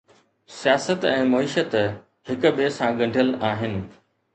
سياست ۽ معيشت هڪ ٻئي سان ڳنڍيل آهن